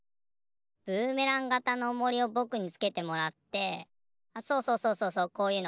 ブーメランがたのおもりをぼくにつけてもらってあっそうそうそうそうそうこういうの。